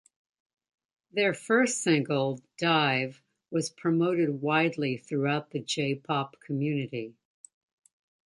Their first single "Dive" was promoted widely throughout the J-Pop community.